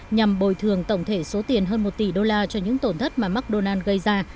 nhằm bồi thường tổng thể số tiền hơn một tỷ đô la cho những tổn thất mà mcdonald s gây ra